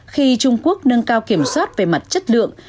khi trung quốc nâng cao kiểm soát về mặt chất lượng